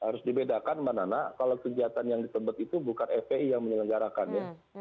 harus dibedakan mbak nana kalau kegiatan yang di tebet itu bukan fpi yang menyelenggarakannya